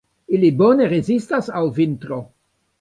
Ili bone rezistas al vintro.